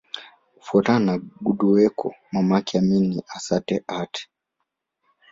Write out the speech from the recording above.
Kufuatana na Gudewekko mamake Amin ni Assa Aatte